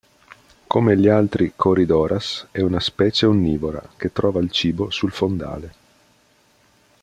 Come gli altri "Corydoras" è una specie onnivora, che trova il cibo sul fondale.